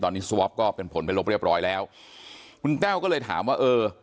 ตอนนี้สวอปก็เป็นผลไปลบเรียบร้อยแล้วคุณแต้วก็เลยถามว่าเออ